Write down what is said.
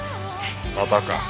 またか。